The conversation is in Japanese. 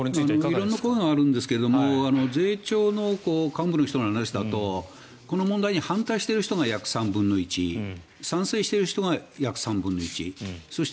色んな声があるんですが税調の幹部の人の話だとこの問題に反対している人が約３分の１賛成している人が約３分の１そして